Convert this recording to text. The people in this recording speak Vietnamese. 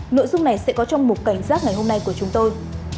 nội dung này sẽ có trong một cảnh giác ngày hôm nay của chúng tôi